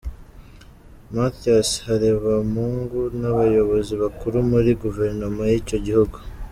Mathias Harebamungu n’abayobozi bakuru muri guverinoma y’icyo gihugu.